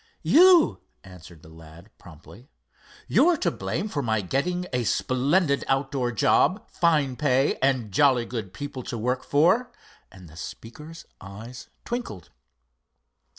"You," answered the lad promptly—"you're to blame for my getting a splendid outdoor job, fine pay and jolly good people to work for," and the speaker's eyes twinkled.